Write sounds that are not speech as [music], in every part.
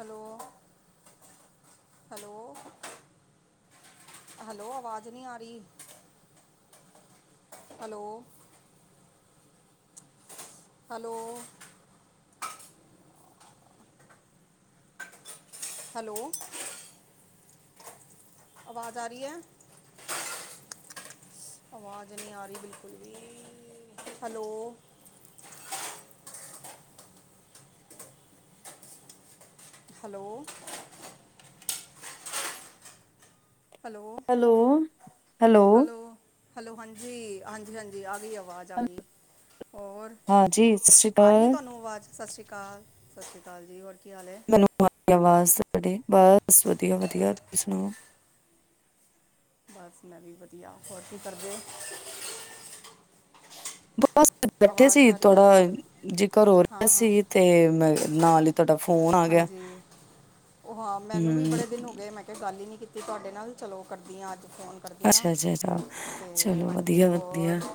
Hello hello hello ਅਵਾਜ਼ ਨਹੀਂ ਆ ਰਹੀ ਹੈਲੋ ਹੈਲੋ ਹੈਲੋ ਆਵਾਜ਼ ਆ ਰਹੀ ਹੈ ਆਵਾਜ਼ ਨੀ ਆ ਰਹੀ ਬਿਲਕੁਲ ਵੀ hello hello hello hello hello ਹਾਂਜੀ ਹਾਂਜੀ ਹਾਂਜੀ ਆ ਗਈ ਆ ਆਵਾਜ਼ ਆ ਗਈ ਹੋਰ ਹਾਂਜੀ ਸਤਿ ਸ਼੍ਰੀ ਆ ਰਹੀ ਹੈ ਅਕਾਲ ਤੁਹਾਨੂੰ ਆਵਾਜ਼ ਸਤਿ ਸ਼੍ਰੀ ਅਕਾਲ ਕਾਲ ਸਤਿ ਸ਼੍ਰੀ ਅਕਾਲ ਜੀ ਹੋਰ ਕੀ ਹਾਲ ਹੈ ਮੈਨੂੰ ਆਵਾਜ਼ ਤੁਹਾਡੇ ਬਸ ਵਧੀਆ ਵਧੀਆ ਤੁਸੀ ਸੁਣਾਓ ਬਸ ਮੈਂ ਵੀ ਵਧੀਆ ਹੋਰ ਕੀ ਕਰਦੇ ਬਸ ਬੈਠੇ ਆਵਾਜ਼ ਸੀ ਆ ਰਹੀ ਹੈ ਥੋੜਾ ਜੇ ਘਰੋਂ ਰਿਹਾ ਹਾਂ ਹਾਂ ਸੀ ਤੇ ਮੈਂ ਨਾਲ ਹੀ ਤੁਹਾਡਾ ਫੋਨ ਆ ਗਿਆ ਹਾਂਜੀ ਉਹ ਹਾਂ ਮੈਨੂੰ ਹੂੰ ਬੜੇ ਦਿਨ ਹੋ ਗਏ ਮੈਂ ਕਿਹਾ ਗੱਲ ਹੀ ਨਹੀਂ ਵੀ ਕੀਤੀ ਤੁਹਾਡੇ ਨਾਲ ਵੀ ਚਲੋ ਕਰਦੀ ਹਾਂ ਅੱਜ ਫੋਨ ਕਰਦੀ ਹ ਅੱਛਾ ਅੱਛਾ ਅੱਛਾ ਤੇ ਚਲੋ ਹਾਂਜੀ ਵਧੀਆ ਵਧੀਆ ਹੋਰ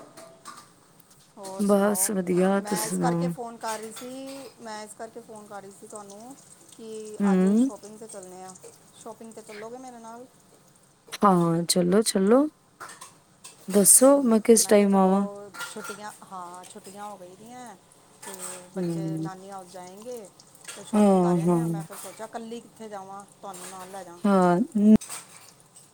ਹੋਰ ਬਸ ਸੁਣਾਓ ਵਧੀਆ ਮੈਂ ਤੁਸੀਂ ਇਸ ਸੁਣਾਓ ਕਰਕੇ ਫੋਨ ਕਰ ਰਹੀ ਸੀ ਮੈਂ ਇਸ ਕਰਕੇ ਫੋਨ ਕਰ ਰਹੀ ਸੀ ਤੁਹਾ ਹ ਕਿ ਅੱਜ ਹੂੰ ਸ਼ੋਪਿੰਗ 'ਤੇ ਚੱਲਦੇ ਹਾਂ ਸ਼ੋਪਿੰਗ 'ਤੇ ਚੱਲੋਗੇ ਮੇਰੇ ਨਾਲ ਹਾਂ ਚਲੋ ਚਲੋ ਦੱਸੋ ਠੀਕ ਹੈ ਕਿਸ ਮੈਂ ਕਿਹਾ ਟਾਈਮ ਆਵਾਂ ਚਲੋ ਛੁੱਟੀਆਂ ਹਾਂ ਛੁੱਟੀਆਂ ਹੋ ਗਈ ਦੀਆਂ ਤੇ ਬੱਚੇ ਹੂੰ ਨਾਨੀ ਹਾਊਸ ਜਾਏ ਅਤੇ ਫ ਸ਼ੋਪਿੰਗ ਕਰ ਹਾਂ ਰਹੇ ਨੇ ਹਾਂ ਆ ਮੈਂ ਫਿਰ ਸੋਚਿਆ ਕੱਲੀ ਉੱਥੇ ਜਾਵਾਂ ਤੁਹਾਨੂੰ ਨਾਲ ਲੈ ਜਾਂ ਹਾਂ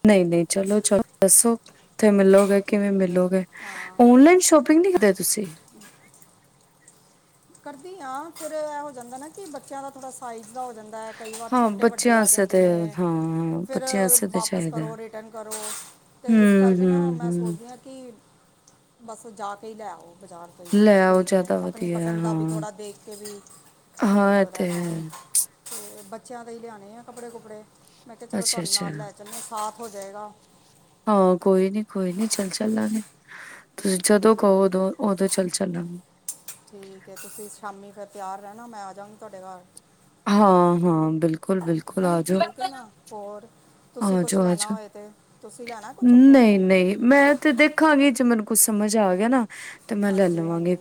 ਨਹੀਂ ਨਹੀਂ ਚਲੋ ਚਲ ਦੱਸੋ ਉਥੇ ਮਿਲੋਗੇ ਕਿਵੇਂ ਠੀਕ ਹੈ ਮਿਲੋਗੇ? ਹਾਂ ਓਨਲਾਈਨ ਸ਼ੋਪਿੰਗ ਨਹੀਂ ਕਰਦੇ ਤੁਸੀਂ ਕਰਦੀ ਹਾਂ ਫਿਰ ਐਹ ਹੋ ਜਾਂਦਾ ਨਾ ਕਿ ਬੱਚਿਆਂ ਦਾ ਥੋੜਾ ਸਾਈਜ਼ ਹੋ ਜਾਂਦਾ ਐ ਕਈ ਵਾਰ ਹਾਂ ਛੋਟੇ-ਵੱਡੇ ਬੱਚਿਆਂ ਆ ਆਸਤੇ ਜਾਂਦੇ ਤੇ ਨੇ, ਹਾਂ ਫਿਰ ਬੱਚਿਆਂ ਆਸਤੇ ਤੇ ਵਾਪਿਸ ਚਾਹੀਦਾ। ਕਰੋ ਰਿਟਰਨ ਕਰੋ ਤੇ ਇਸ ਹੂੰ, ਕਰਕੇ ਨਾ ਹੂੰ, ਮੈਂ ਹੂੰ ਕਿ ਬਸ ਜਾ ਕੇ ਲੈ ਆਓ ਬਜ਼ਾਰ ਗਈ, ਲੈ ਆਓ ਠੀਕ ਐ ਜ਼ਿਆਦਾ ਅਪਣੀ ਵਧੀਆ ਪਸੰਦ ਦਾ ਵੀ ਹਾਂ। ਥੋੜਾ ਦੇਖ ਕੇ ਵੀ ਸਈ ਹਾਂ ਇਹ ਲੱਗਦਾ ਐ ਤੇ ਹੈ ਤੇ ਬੱਚ ਬੱਚੇਆਂ ਦੇ ਈ ਲਿਆਣੇ ਆ ਕੱਪੜੇ ਕੁਪੜੇ। ਮੈਂ ਕੇਆ ਚਲੋ ਤੋਆਨੂੰ ਅੱਛਾ-ਅੱਛਾ ਨਾਲ ਲੈ ਚੱਲੇ ਸਾਥ ਹੋ ਜਾਏਗਾ। ਹਾਂ ਕੋਈ ਨੀ ਕੋਈ ਨੀ ਚੱਲ ਚੱਲਾਂਗੇ। ਤੁਸੀਂ ਜਦੋਂ ਹਾਂਜੀ ਕਹੋ ਹਾਂਜੀ, ਉਦੋਂ ਉਦੋਂ ਚੱਲ ਚੱਲਾਂਗੇ। ਠੀਕ ਐ ਤੁਸੀਂ ਸ਼ਾਮੀ ਫਿਰ ਤਿਆਰ ਰੈਣਾ ਮੈਂ ਆ ਜਾਗੀ ਤੋਆਡੇ ਘਾਰ। ਹਾਂ ਹਾਂ ਬਿਲਕੁਲ, ਬਿਲਕੁਲ, ਨਾ ਆ ਜਾਓ, ਠੀਕ ਹੈ ਨਾ ਹੋਰ ਤੁਸੀਂ ਆ ਕੁਝ ਜਾਓ, ਲੈਣਾ ਆਜਓ, ਹੋਏ ਤੇ ਤੁਸੀਂ ਲੈਣਾ ਕੁਝ ਉੱਥੋਂ ਨਈ ਨਈ ਮੈਂ ਤੇ ਦੇਖਾਂਗੀ ਜੇ ਮੈਨੂੰ ਕੁਛ ਸਮਝ ਆ ਗੇਆ ਨਾ ਤੇ ਮੈਂ ਲੈ ਹਾਂਜੀ ਲਵਾਂਗੇ, ਹਾਂਜੀ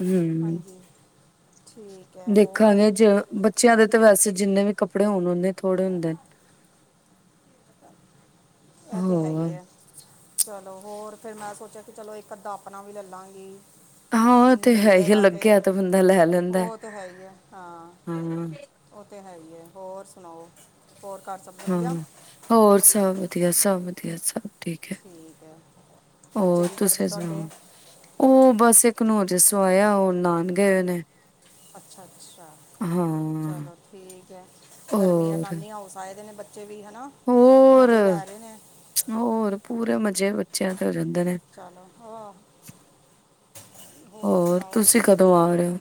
ਹੂੰ। ਹਾਂਜੀ ਠੀਕ ਹੈ ਹੋਰ ਦੇਖਾਂਗੇ ਜੇ ਬੱਚੇਆਂ ਦੇ ਤੇ ਵੈਸੇ ਜਿੰਨੇ ਵੀ ਕੱਪੜੇ ਹੋਣ ਨੇ ਥੋੜ੍ਹੇ ਹੁੰਦੇ ਨੇ ਐ ਤੇ ਹੈ ਈ ਆ। ਚਲੋ ਹੋਰ ਫਿਰ ਮੈਂ ਸੋਚਿਆ ਕਿ ਚਲੋ ਇੱਕ ਅੱਧਾ ਆਪਣਾ ਵੀ ਲਲਾਂਗੀ। ਹਾਂ, ਤੇ ਹੈ ਈ ਲੱਗਿਆ ਤਾਂ ਬੰਦਾ ਲੈ ਲੈਂਦਾ। ਉਹ ਤੇ ਹੈ ਹੀ ਹਮ੍ਹ ਹੈਗੀ ਐ ਹੋਰ ਸੁਣਾਓ? ਹੋਰ ਘਰ ਸਭ ਵਧੀਆ ਹਮ੍ਹ ਹੋਰ? ਸਭ ਵਧੀਆ, ਸਭ ਵਧੀਆ, ਸਭ ਠੀਕ ਐ, ਬੱਚੇ ਹੋਰ ਕੀ ਕਰਦੇ ਤੁਸੀਂ ਤੁਹਾਡੇ ਸੁਣਾਓ, ਓ ਬਸ ਇੱਕ ਇੱਕ ਨੂੰ ਹਜੇ ਸਵਾਏਆ ਓ ਨਾਨ ਗਏ ਨੇ। ਅੱਛਾ-ਅੱਛਾ, ਹਾਂ ਚਲੋ ਠੀਕ ਐ, ਗਰਮੀਆਂ ਹੋਰ ਨਾਨੀ ਹਾਊਸ ਆਏ ਦੇ ਨੇ ਬੱਚੇ ਨੇ ਵੀ ਹਨਾ ਹੋਰ ਮਜੇ ਲੈ ਰੇ ਨੇ। ਜੇ ਬੱਚਿਆਂ ਤੇ ਹੋ ਜਾਂਦੇ ਨੇ। ਚਲੋ ਹਾਂ ਹੋਰ, ਤੁਸੀਂ ਕਦੋਂ ਆ ਰੇ ਓ?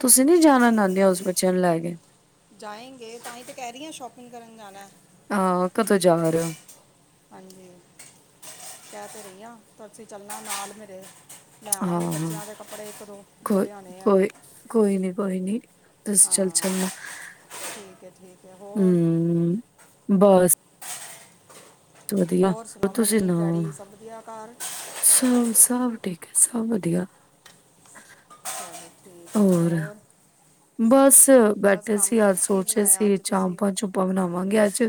ਤੁਸੀਂ ਨੀ ਜਾਣਾ ਨਾਨੀ ਹਾਊਸ ਬੱਚ ਲੈਗੇ ਜਾਏ ਗੇ ਤਾਂਹੀ ਤੇ ਕਹਿ ਰਹੀ ਹ ਸ਼ੋਪਿੰਗ ਕਰਨ ਜਾਣਾ। ਹਾਂ ਕਦੋਂ ਜਾ ਰਹੇ ਹੋ ਹਾਂਜੀ ਕਹਿ ਤੇ ਰਹੀ ਆ ਤਸੀਂ ਚੱਲਣਾ ਨਾਲ ਮੇਰੇ। ਲੈ ਆਵਾਂਗੇ ਹਾਂ-ਹਾਂ ਬੱਚਿਆਂ ਦੇ ਕੱਪੜੇ ਇੱਕ ਦੋ ਜੋ ਲਿਆਉਣੇ ਆ ਕੋਈ-ਕੋਈ, ਕੋਈ ਨੀ ਕੋਈ ਨੀ ਚੱਲ ਹਾਂ ਚੱਲਣਾ ਠੀਕ ਹੈ ਠੀਕ ਹੈ ਹੋਰ ਹਮ ਬਸ। ਵਧੀਆ ਹੋਰ ਸੁਣਾਓ ਤੁਸੀਂ ਮੰਮੀ ਡੈਡੀ ਸੁਣਾ ਸਭ ਵਧੀਆ ਘਰ ਸਭ ਸਭ ਠੀਕ ਹੈ ਸਭ ਵਧੀਆ। ਹਾਂਜੀ ਹੋਰ ਬਸ ਬਸ ਬੈਠੇ ਕੰਮ ਸੀ ਅੱਜ ਕੀ ਸੋਚੇ ਬਣਾਇਆ ਸੀ ਅੱਜ ਤੁਸੀਂ ਚਾਂਪਾਂ-ਚੂਪਾਂ ਬਣਾਵਾਂਗੇ ਅੱਜ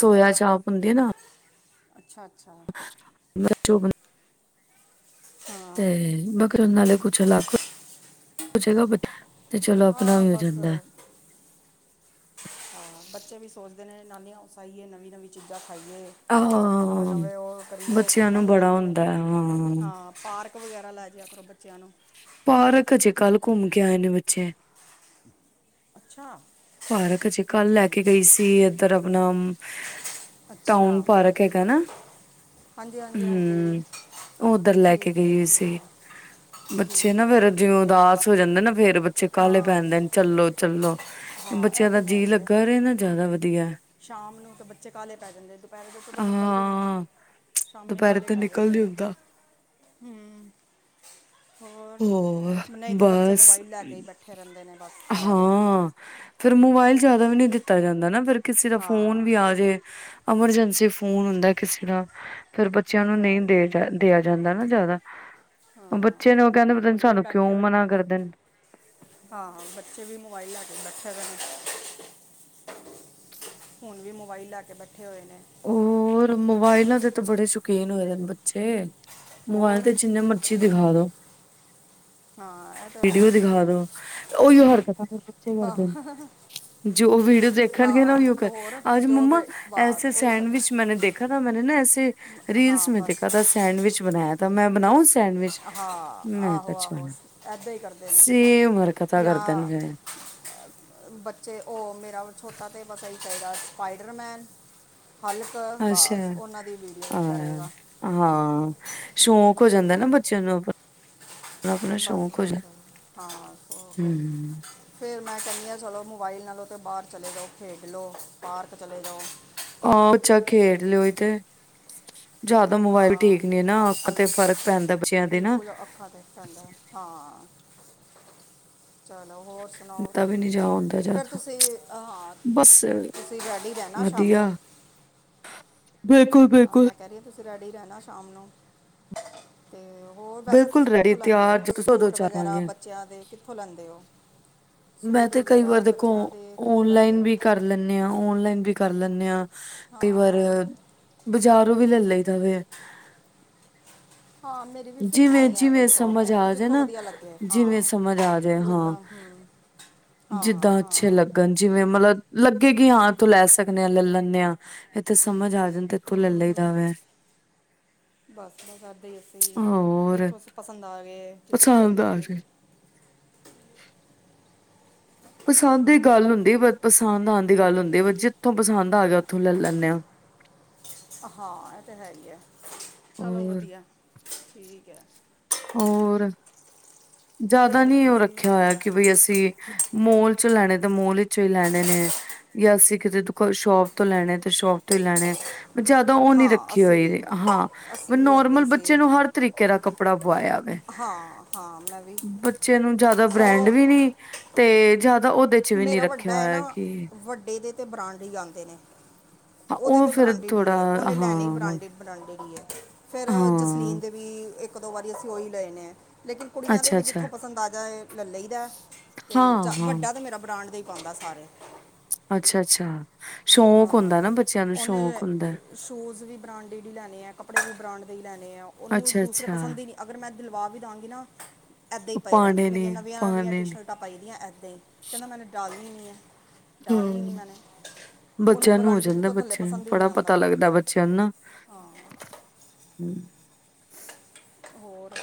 ਸੋਇਆ ਚਾਪ ਹੁੰਦੀ ਨਾ। ਅੱਛਾ ਅੱਛਾ [inaudible] ਹਾਂ ਤੇ [unintelligible] ਨਾਲੇ ਕੁ ਚਲਾ ਕੋ [inaudible] ਹਾਂ ਬਸ ਹਾਂ ਬੱਚੇ ਵੀ ਸੋਚਦੇ ਨੇ ਨਾਨੀ ਹਾਊਸ ਆਈਏ ਨਵੀਂ-ਨਵੀਂ ਚੀਜ਼ਾਂ ਖਾਈਏ ਆਹ ਨਵੇਂ-ਨਵੇਂ ਉਹ ਕਰੀਏ ਬੱਚਿਆਂ ਨੂੰ ਘੁੰਮਣ ਬੜਾ ਜਾਈਏ ਹੁੰਦਾ ਹੈ। ਹਾਂ ਪਾਰਕ ਵਗੈਰਾ ਲੈ ਜ ਕਰੋ ਬੱਚਿਆਂ ਨੂੰ। ਪਾਰਕ ਅਜੇ ਕੱਲ੍ਹ ਘੁੰਮ ਕੇ ਆਏ ਨੇ ਬੱਚੇ। [inaudible] ਪਾਰਕ ਜੇ ਕੱਲ ਲੈ ਕੇ ਠੀਕ ਹੈ ਗਈ ਸੀ ਇਧਰ ਆਪਣਾ ਟਾਊਨ ਅੱਛਾ ਪਾਰਕ ਹੈਗਾ ਨਾ ਹਾਂਜੀ ਹਾਂਜੀ ਹਾਂਜੀ ਹਮ ਓਧਰ ਲੈ ਕੇ ਠੀਕ ਹੈ ਗਈ ਠੀਕ ਸੀ ਹੈ ਬੱਚੇ ਠੀਕ ਨਾ ਹੈ ਫੇਰ ਜਿਵੇਂ ਵਧੀਆ ਉਦਾਸ ਹੋ ਜਾਂਦੇ ਨਾ ਫੇਰ ਬੱਚੇ ਕਾਹਲੇ ਹਾਂ ਪੈਂਦੇ ਨੇ ਚਲੋ- ਚਲੋ। ਹਾਂ ਇਹ ਬੱਚਿਆਂ ਦਾ ਤਾਂ ਹੈ ਜੀਅ ਹੀ ਹੈ ਲੱਗਾ ਰਹੇ ਨਾ ਜ਼ਿਆਦਾ ਵਧੀਆ। ਸ਼ਾਮ ਨੂੰ ਤਾਂ ਬੱਚੇ ਕਾਲੇ ਪੈ ਜਾਂਦੇ ਦੁਪਹਿਰੇ ਦੇ ਕਦੋਂ ਨਿਕਲਦੇ ਨਹੀਂ ਹੈ ਹਾਂ। ਸ਼ਾਮੀ ਦੁਪਹਿਰੇ ਕਾਲੇ ਤਾਂ ਪੈ ਨਿਕਲ ਜਾਂਦੇ ਨੀ ਨੇ। ਹੁੰਦਾ ਹਮ ਹੋ ਬਸ ਮੋਬਾਈਲ ਲੈ ਕੇ ਹੀ ਬੈਠੇ ਰਹਿੰਦੇ ਨੇ ਬਸ ਸਾਰਾ ਦਿਨ ਹਾਂ ਫੇਰ ਮੋਬਾਇਲ ਜਾਦਾ ਵੀ ਨਹੀਂ ਦਿੱਤ ਤਾ ਜਾਂਦਾ ਨਾ ਫੇਰ। ਕਿਸੇ ਦਾ ਫੋਨ ਹਾਂ ਵੀ ਆਜੇ ਐਮਰਜੈਂਸੀ ਫੋਨ ਹੁੰਦਾ ਕਿਸੇ ਦਾ। ਫਿਰ ਬੱਚਿਆਂ ਇਹ ਨੂੰ ਤਾਂ ਨਹੀਂ ਹੈ ਹੀ ਦੇ ਹੈ ਦਿਆ ਜਾਂਦਾ ਨਾ ਜਾਦਾ। ਉਹ ਹਾਂ ਬੱਚੇ ਨੂੰ ਹੁਣ ਵੀ ਬੈਠੇ ਹੋਏ ਨੇ, ਹਾਂ ਬੱਚੇ ਵੀ ਮੋਵਾਈ ਲੈ ਕੇ ਬੈਠੇ ਦੇ ਨੇ ਹੁਣ ਵੀ ਮੋਬਾਈਲ ਲੈ ਕੇ ਬੈਠੇ ਹੋਏ ਨੇ। ਹੋਰ ਮੋਬਾਇਲਾਂ ਦੇ ਤਾਂ ਬੜੇ ਸ਼ੌਕੀਨ ਹੋਏ ਦੇ ਨੇ ਬੱਚੇ। ਮੋਬਾਇਲ ਹੋਰ ਤੇ ਜਿੰਨੇ ਮਰਜੀ ਦਿਖਾ ਦੋ ਹਾਂ ਇਹ ਤਾਂ ਹੈ ਵੀਡੀਓ ਹੀ ਹੈ। ਦਿਖਾ ਦੋ ਉਹੀਓ ਹਰ [inaudible] ਬੱਚੇ ਕਰਦੇ ਹਾਂ ਨੇ ਜੋ ਵੀਡੀਓ ਦੇਖਣਗੇ ਨਾ ਹਾਂ ਉਹੀਓ ਤੇ ਕਰ ਹੋਰ ਅਜ ਜੋ ਮੰਮਾ ਬੇ ਬਸ ਉਹੀ ਕਰਦੇ ਸੈਂਡਵਿਚ ਮੈਂ ਦੇਖਾ ਮੈਂਨ ਨਾ ਐੇ ਰੀਲਸ ਹਾਂ ਮੈਂ ਬਸ ਦੇਖਾ ਸੈਂਡ [unintelligible] ਬਣਾਇਆ ਤਾਂ ਮੈਂ ਬਣਾ [unintelligible] ਹਾਂ, ਆਹੋ-ਆਹੋ ਏਦਾਂ ਈ ਕਰਦੇ ਨੇ, ਸੇਮ ਹਰਕਤਾਂ ਕਰਦੇ ਨੇ ਯਾਂ, ਫਿਰ ਬੱਚੇ ਓ ਮੇਰਾ ਛੋਟਾ ਤੇ ਬਸ ਏ ਚਾਈਦਾ ਸਪਾਈਡਰਮੈਨ। ਹਲਕ ਅੱਛਾ, ਬਸ ਉਹਨਾਂ ਦੀ ਵੀਡੀਓ ਆਂ ਦੇਖਦਾ ਰਹੇਗਾ ਹਾਂ ਸ਼ੌਕ ਹੋ ਜਾਂਦਾ ਨਾ ਬੱਚਿਆਂ ਨੂੰ ਆਪ ਬਸ-ਬਸ, ਹਾਂ ਹੂੰ। ਫੇਰ ਮੈਂ ਕੈਣੀ ਆਂ ਚਲੋ ਮੋਬਾਈਲ ਨਾਲੋਂ ਤੇ ਬਾਅਰ ਚਲੇ ਜਾਓ ਖੇਡਲੋ, ਪਾਰਕ ਚਲੇ ਜਾਓ। ਆ [unintelligible] ਚੱਲ ਖੇਡ ਲਿਓ ਤੇ। ਜ਼ਿਆਦਾ ਮੋਬਾਇਲ ਵੀ ਹਾਂ, ਠੀਕ ਨੀ ਨਾ ਅੱਖਾਂ ਅੱਜਕੱਲ ਤੇ, ਫ਼ਰਕ ਪੈਂਦਾ ਬੱਚਿਆਂ ਦੇ ਨਾ ਬਿਲਕੁਲ ਅੱਖਾਂ ਤੇ ਪੈਂਦਾ, ਹਾਂ। ਚਲ ਚਲੋ ਹੋਰ ਸੁਣਾਓ ਦਿੱਤਾ ਵੀ ਤੁਸੀਂ, ਨੀ ਜਾ ਹੁੰਦਾ ਫਿਰ ਜ਼ਿਆਦਾ ਤੁਸੀਂ ਹਾਂ, ਬਸ ਤੁਸੀਂ ਰੈਡੀ ਰੈਣਾ ਸ਼ਾਮ ਨੂੰ ਹਾਂ ਬਿਲਕੁਲ-ਬਿਲਕੁਲ। ਮੈਂ ਕਹਿ ਰਹੀ ਹਾਂ ਤੁਸੀਂ ਰੈਡੀ ਰੈਣਾ ਸ਼ਾਮ ਨੂੰ, ਤੇ ਹੋਰ ਵੈਸੇ ਬਿਲਕੁਲ ਤੁਸੀਂ ਰੈਡੀ ਕਿੱਥੋਂ ਲੈਂਦੇ ਤਿਆਰ ਓ, ਜ ਤੁਸੀਂ ਉਦੋਂ ਸੂਟ ਵਗੈਰਾ ਚਾਹਵਾਂਗੇ ਬੱਚਿਆਂ ਦੇ ਕਿੱਥੋਂ ਲੈਂਦੇ ਓ? ਮੈਂ ਤੇ ਕਈ ਵਾਰ ਦੇਖੋ, ਦੇ ਕਿੱਥੋਂ ਲੈਂਦੇ ਓਨਲਾਈਨ ਹੋ ਵੀ ਕਰ ਲੇਨੇਂ ਆਂ ਓਨਲਾਈਨ ਵੀ ਕਰ ਲੇਨੇਂ ਆ। ਕਈ ਵਾਰ, ਹਾਂ ਬਜਾਰੋਂ ਵੀ ਲ ਲਈ ਦਾ ਵੇ। ਹਾਂ ਮੇਰੀ ਵੀ ਫਿਕਸ ਨਹੀਂ ਹੈ ਜਿਵੇਂ-ਜਿਵੇਂ ਕੋਈ ਸਮਝ ਸ਼ੌਪ ਆ ਜੇ ਜਿੱਥੋਂ ਨਾ, ਵਧੀਆ ਲੱਗੇ ਜਿਵੇਂ ਹਾਂ ਸਮਝ ਆ ਜੇ ਹਾਂ, ਜਿੱਦਾਂ ਹੂੰ ਹਾਂ ਜਿੱਦਾਂ ਅੱਛੇ ਹਾਂ ਲੱਗਣ ਜਿਵੇਂ ਮਤਲਬ ਲੱਗੇ ਕਿ ਹਾਂ ਤੂੰ ਲੈ ਸਕਣ ਨੈ ਲੰਲਣੇ ਆ। ਏਥੇ ਸਮਝ ਆ ਜਾਣ ਤੇ ਏਥੋ ਲੱਲਈ ਦਾ ਵੈ। ਹੋਰ ਜਿਥੋਂ ਸ ਪਸੰਦ ਆ ਗਏ, ਜਿਥੋਂ ਸਈ ਪਸੰਦ ਆ ਲੱਗੇ। ਜੇ ਪਸੰਦ ਦੀ ਗੱਲ ਹੁੰਦੀ ਬ ਪਸੰਦ ਆਣ ਦੀ ਗੱਲ ਹੁੰਦੀ ਬ ਜਿੱਥੋਂ ਪਸੰਦ ਆ ਗੇਆ ਉੱਥੋਂ ਲ ਲੈਂਣੇ ਆਂ। ਹਾਂ, ਐ ਤੇ ਹੈ ਈ ਆ, ਚਲੋ ਹੋਰ ਵਧੀਆ। ਠੀਕ ਐ। ਹੋਰ? ਜਾਅਦਾ ਹੋਰ ਨੀਂ ਹੋ ਤੁਸੀਂ ਰੱਖਿਆ ਹੋਏਆ ਕਿ ਦੱਸੋ ਬਈ ਅਸੀਂ, ਮੋਲ ਚੋਂ ਲੈਣੇ ਤੇ ਮੋਲ ਇਚੋਂ ਈ ਲੈਣੇ ਨੇ, ਯਾਂ ਅਸੀ ਕਿਤੇ ਦੁ ਕੋਈ ਸ਼ੋਪ ਤੋਂ ਲੈਣੇ ਤੇ ਸ਼ੋਪ ਤੋਂ ਲੈਣੇ ਜਾਅਦਾ ਓ ਨੀਂ ਹਾਂ ਰੱਖੀ ਅਸੀਂ ਵੀ ਹੋਈ, ਹਾਂ ਮ ਅਸੀਂ ਵੀ ਏਦਾਂ ਨੋਰਮਲ ਹੀ ਬੱਚੇ ਸੇਮ ਨੂੰ ਹਰ ਤਰੀਕੇ ਦਾ ਕ ਵੇ, ਹਾਂ ਹਾਂ ਮੈਂ ਵੀ ਬੱਚੇ ਨੂੰ ਜਾਅਦਾ ਸੋ ਬ੍ਰੈਂਡ ਵੀ ਨੀ ਤੇ ਤੇ ਜਾ ਤਾਂ ਓਦੇ ਚ ਵੀ ਨੀਂ ਮੇਰਾ ਰੱਖਿਆ ਵੱਡਾ ਹੈ ਹੋਏਆ ਨਾ ਕਿ ਵੱਡੇ ਦੇ ਤੇ ਬਰਾਂਡ ਈ ਆਂਦੇ ਨੇ। ਓਦੇ ਉਹ ਤੇ ਫੇਰ ਬ੍ਰਾਂਡਿਡ ਈ ਥੋੜਾ ਐ, ਓਨੇ ਲੈਣੇ ਹੀ ਹਾਂ ਬ੍ਰਾਂਡਿਡ ਬ੍ਰਾਂਡਿਡ ਈ ਐ, ਫੇਰ ਹਾਂ ਜਸਲੀਨ ਦੇ ਵੀ ਇਕ -ਦੋ ਵਾਰੀ ਅਸੀਂ ਉਹੀ ਲਏ ਨੇ ਲੇਕਿਨ ਕੁੜੀਆਂ ਦੇ ਵੀ ਅੱਛਾ-ਅੱਛਾ, ਜਿੱਥੋਂ ਪਸੰਦ ਆ ਜਾਏ ਲੈ ਲਈ ਦਾ ਤੇ ਹਾਂ-ਹਾਂ, ਵੱਡ ਤਾਂ ਮੇਰਾ ਬ੍ਰਾਂਡ ਦੇ ਹੀ ਪਾਉਂਦਾ ਸਾਰੇ ਅੱਛਾ-ਅੱਛਾ, ਸ਼ੌਕ ਹਾਂ ਹੁੰਦਾ ਨਾ ਬੱਚਿਆਂ ਨੂੰ ਸ਼ੌਕ ਉਹਨੇ ਹੁੰਦਾ, ਸ਼ੂਜ ਵੀ ਬਰਾਂਡੇਡ ਹੀ ਲੈਣੇ ਆ ਕੱਪੜੇ ਵੀ ਬਰਾਂਡ ਲੈਣੇ ਆ ਉਹਨੂੰ ਦੂਸਰੇ ਅੱਛਾ-ਅੱਛਾ, ਪਸੰਦ ਹੀ ਨਹੀਂ ਅਗਰ ਮੈਂ ਦਿਲਵਾ ਵੀ ਦਾਂਗੀ ਨਾ ਏਦਾਂ ਹੀ ਉਹ ਪਏ ਰਹਿਣਗੇ ਪਾਣੇ ਨੇ ਮੇਰੀਆਂ ਨਵੀਆਂ ਨਵੀਆਂ ਪਾਣੇ ਟੀ ਨੇ। ਸ਼ਰਟਾਂ ਪਾਈ ਦੀਆਂ ਏਦਾਂ ਹੀ ਕਹਿੰਦਾ ਮੈਨੂੰ ਡਾਲਣੀ ਨੀ ਹੈ [unintelligible] ਡਾਲਨੀ ਨੀ ਹੂੰ। ਮੈਨੇ ਉਹਨੂੰ ਬੱਚਿਆਂ ਨੂੰ ਹੋ ਬ੍ਰਾਂਡਡ ਜਾਂਦਾ ਤੋਂ ਥੱਲੇ ਬੱਚਿਆਂ ਨੂੰ ਪਸੰਦ ਹੀ ਬੜਾ ਨਹੀਂ ਪਤਾ ਆਉਂਦਾ ਲੱਗਦਾ ਬੱਚਿਆਂ ਨੂੰ ਨਾ ਹਾਂ ਹਮ ਹੋਰ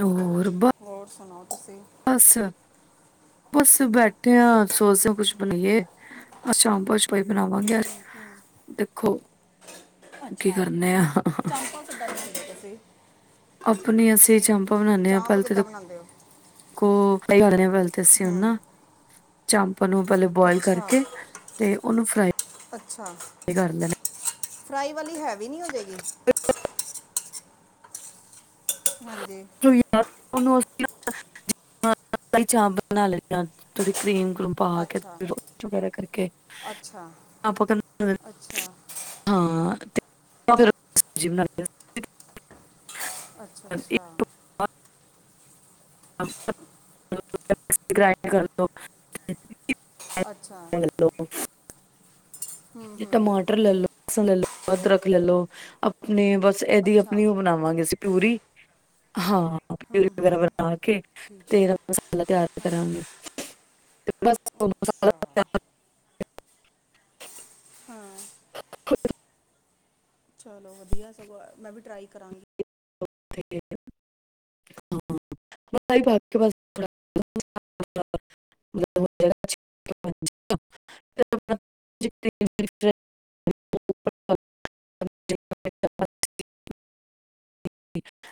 ਹੋਰ ਬ ਹੋਰ ਸੁਣਾਓ ਤੁਸੀਂ ਬਸ ਬਸ ਬੈਠੇ ਹਾਂ ਸੋਚਦੇ [unintelligible] ਆਪਾਂ ਹੀ ਬਣਾਵਾਂਗੇ ਯ ਦੇਖੋ ਕੀ ਅੱਛਾ ਕਰਨੇ ਆ ਚਾਂਪਾ ਕਿੱਦਾਂ ਬਣਾਦੇ ਤੁਸੀਂ? ਆਪਨ ਅਸਲੀ ਚਾਂਪਾ ਬਣਾਉਂਦੇ ਆ, ਚਾਂਪ ਪਹਿਲੇ ਕਿੱਦਾਂ ਤਾਂ ਬਣਾਉਂਦੇ ਹੋ ਫਰਾਈ ਕਰਦੇ ਆ ਓਸ ਨੂ ਚੰਪ ਚਾਂਪਾ ਨੂੰ ਪਹਿਲੇ ਬੋਆਇਲ ਅੱਛਾ ਕਰਕੇ ਤੇ ਉਹਨੂੰ ਫਰਾਈ ਅੱਛਾ ਕਰ ਲੈਨੇ ਆ। ਫਰਾਈ ਵਾਲੀ ਹੈਵੀ ਨਹੀਂ ਹੋ ਜਾਏਗੀ, ਲੈਣਾ ਹਾਂਜੀ ਛੁਰੀ ਨਾਲ ਉਸਨੁ ਉਸ [inaudible] ਹਾਂ ਇਦਾਂ ਹੀ ਚਾਪ ਬਣਾ ਲੈਨੇ ਆ ਥੋੜੀ ਕਰੀਮ ਪਾ ਕੇ ਅੱਛਾ ਚੋਪੜ ਕਰਕੇ ਅੱਛਾ ਅੱਛਾ ਜਾਂ ਫਿਰ ਜਿਵੇਂ [inaudible] ਅੱਛਾ -ਅੱਛਾ ਹਮ ਸਭ ਸਬਸਕ੍ਰਾਈਬ ਕਰ ਲੋ [inaudible] ਇਪ ਐਸ ਅੱਛਾ ਹੈਲੋ ਅਦਰਕ ਲੈ ਲਓ ਆਪਣੇ ਬਸ ਇਹਦੀ ਅੱਛਾ ਆਪਣੀ ਬਣਾਵਾਂਗੇ ਅਸੀਂ ਪਿਊਰੀ ਹਾਂ [unintelligible] ਬਰਾਬਰ ਆਖੇ ਠੀਕ ਹੈ ਤੇਰਾ ਮਸਾਲਾ ਤਿਆਰ ਕਰਾਂਗੇ ਅੱਛਾ ਤੇ ਬਸ ਦੋ ਮਿੰਟ ਅੱਛਾ ਮਸਾਲਾ ਹਾਂ। ਚਲੋ ਵਧੀਆ ਸਗੋਂ ਮੈਂ ਵੀ ਟਰਾਈ ਕਰਾਂਗੀ। ਠੀਕ ਏ ਹਾ [unintelligible] [unintelligible]